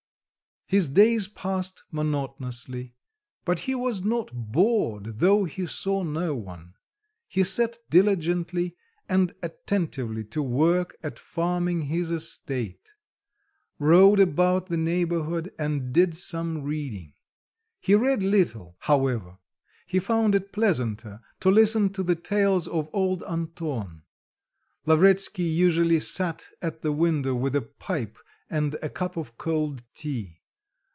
His days passed monotonously; but he was not bored though he saw no one; he set diligently and attentively to work at farming his estate, rode about the neighbourhood and did some reading. He read little, however; he found it pleasanter to listen to the tales of old Anton. Lavretsky usually sat at the window with a pipe and a cup of cold tea.